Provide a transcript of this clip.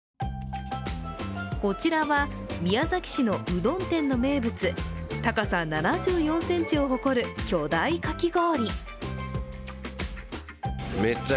こちらは宮崎市のうどん店の名物、高さ７４ｃｍを誇る巨大かき氷。